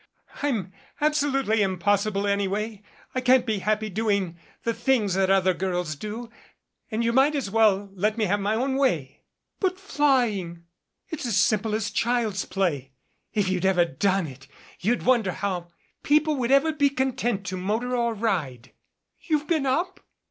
I'm absolutely impossible anyway. I can't be happy doing the things that other girls do, and you might as well let me have my own way " "But flying " "It's as simple as child's play. If you'd ever done it you'd wonder how people would ever be content to motor or ride " "You've been up